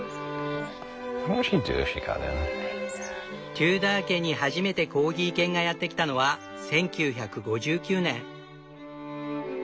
テューダー家に初めてコーギー犬がやってきたのは１９５９年。